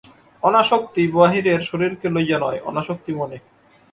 অনাসক্তি বাহিরের শরীরকে লইয়া নয়, অনাসক্তি মনে।